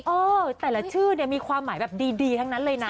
เออแต่ละชื่อเนี่ยมีความหมายแบบดีทั้งนั้นเลยนะ